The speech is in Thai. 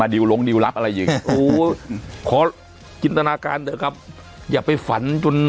มาดิวลงดิวลับอะไรอีกขอกินธนาคารเดี๋ยวครับอย่าไปฝันจน